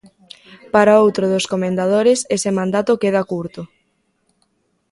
Para outro dos comendadores ese mandato queda curto.